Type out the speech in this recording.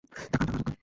টাকা, টাকা, টাকা।